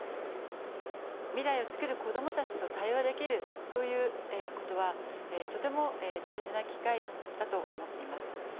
未来を作る子どもたちと対話できるということはとても大事な機会だと思っています。